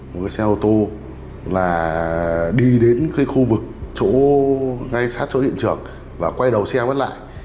một cái xe ô tô là đi đến cái khu vực ngay sát chỗ hiện trường và quay đầu xe vất lại